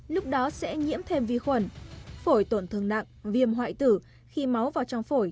lúc đó sẽ nhiễm thêm vi khuẩn phổi tổn thương nặng viêm hoại tử khi máu vào trong phổi